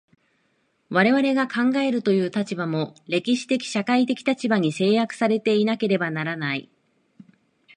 我々が考えるという立場も、歴史的社会的立場に制約せられていなければならない。